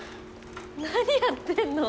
何やってんの？